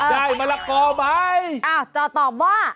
ได้มะละก่อหรือไหมอ่าตอบว่า